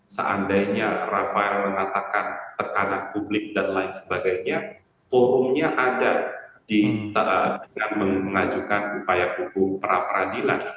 seandainya rafael mengatakan tekanan publik dan lain sebagainya forumnya ada dengan mengajukan upaya hukum perapradilan